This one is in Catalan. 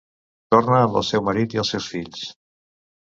Torna amb el seu marit i els seus fills.